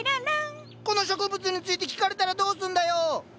この植物について聞かれたらどうすんだよ！